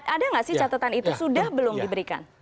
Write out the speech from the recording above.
ada nggak sih catatan itu sudah belum diberikan